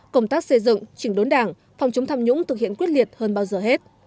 công tác xây dựng chỉnh đốn đảng phòng chống tham nhũng thực hiện quyết liệt hơn bao giờ hết